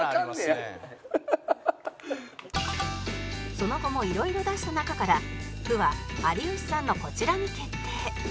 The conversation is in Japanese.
その後も色々出した中から「ふ」は有吉さんのこちらに決定